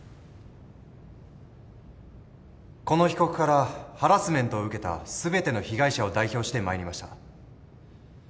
この被告からハラスメントを受けた全ての被害者を代表して参りました。